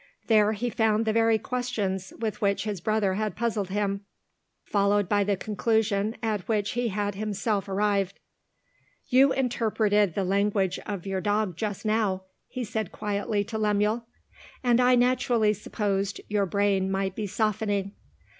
There he found the very questions with which his brother had puzzled him followed by the conclusion at which he had himself arrived! "You interpreted the language of your dog just now," he said quietly to Lemuel; "and I naturally supposed your brain might be softening.